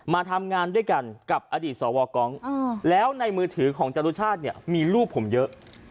มาทำงานด้วยกันกับอดีตสวกองแล้วในมือถือของจรุชาติเนี่ยมีลูกผมเยอะ